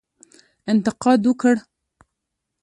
انتقاد وکړ.